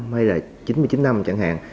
hay là chín mươi chín năm chẳng hạn